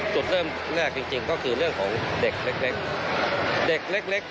จุดเริ่มแรกจริงก็คือเรื่องของเด็กเล็กเด็กเล็ก